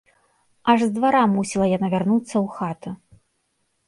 Аж з двара мусіла яна вярнуцца ў хату.